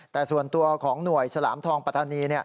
แต่ส่วนตัวของหน่วยฉลามทองปัตตานี